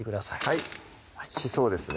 はいしそをですね